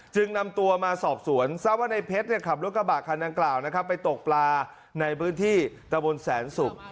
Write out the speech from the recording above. นำตัวมาสอบสวนทราบว่าในเพชรขับรถกระบะคันดังกล่าวไปตกปลาในพื้นที่ตะบนแสนศุกร์